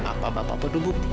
apa apa apa itu bukti